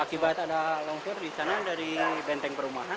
akibat ada longsor di sana dari benteng perumahan